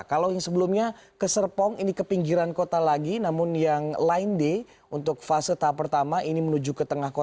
kalau yang sebelumnya ke serpong ini ke pinggiran kota lagi namun yang line d untuk fase tahap pertama ini menuju ke tengah kota